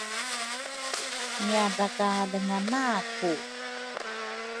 ngiadrakalenga naku